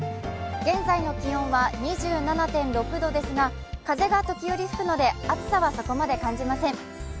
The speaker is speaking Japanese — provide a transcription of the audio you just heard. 現在の気温は２７．６度ですが風が時折吹くので暑さはそこまで感じません。